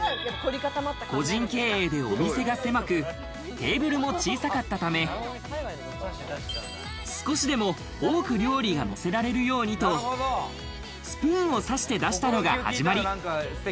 個人経営でお店が狭く、テーブルも小さかったため、少しでも多く料理がのせられるようにと、スプーンを刺して出したのが始まり。